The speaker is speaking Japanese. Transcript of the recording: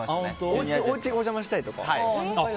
おうちにお邪魔したりとか。